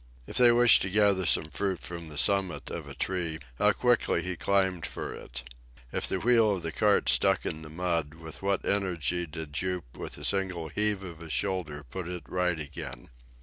If they wished to gather some fruit from the summit of a tree, how quickly he climbed for it. If the wheel of the cart stuck in the mud, with what energy did Jup with a single heave of his shoulder put it right again.